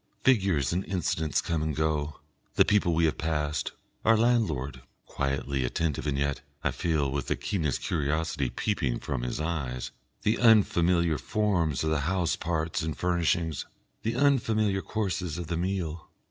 Figures and incidents come and go, the people we have passed, our landlord, quietly attentive and yet, I feel, with the keenest curiosity peeping from his eyes, the unfamiliar forms of the house parts and furnishings, the unfamiliar courses of the meal.